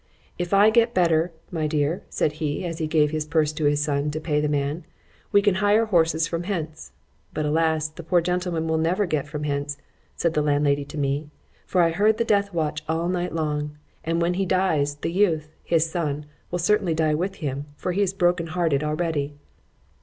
—If I get better, my dear, said he, as he gave his purse to his son to pay the man,—we can hire horses from hence.——But alas! the poor gentleman will never get from hence, said the landlady to me,—for I heard the death watch all night long;——and when he dies, the youth, his son, will certainly die with him; for he is broken hearted already.